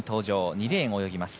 ２レーンを泳ぎます。